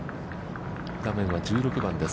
画面は１６番です。